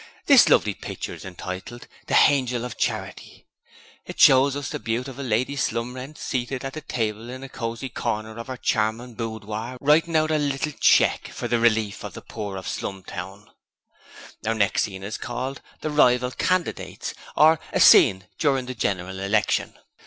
This lovely pitcher is hintitled "The Hangel of Charity", and shows us the beautiful Lady Slumrent seated at the table in a cosy corner of 'er charmin' boodore, writin' out a little cheque for the relief of the poor of Slumtown. 'Our next scene is called "The Rival Candidates, or, a Scene during the General Election".